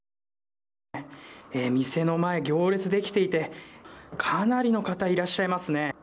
店の前、行列ができていてかなりの方いらっしゃいますね。